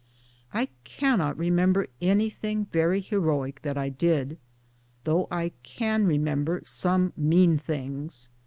I cannot remember anything very heroic that I did, though I can remember some mean things.